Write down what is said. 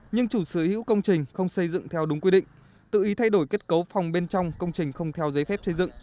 nhưng chủ sở hữu công trình không xây dựng theo đúng quy định tự ý thay đổi kết cấu phòng bên trong công trình không theo giấy phép xây dựng